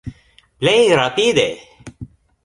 Plej rapide!